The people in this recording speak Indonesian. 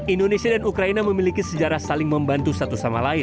indonesia dan ukraina memiliki sejarah saling membantu satu sama lain